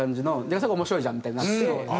それが面白いじゃんみたいになって。